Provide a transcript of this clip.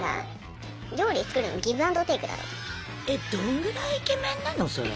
えっどんぐらいイケメンなのそれ。